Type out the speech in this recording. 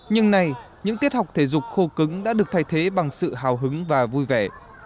nhưng nay những tiết học thể dục khô cứng đã được thay thế bằng sự hào hứng và vui vẻ